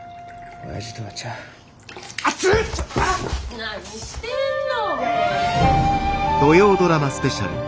何してんの？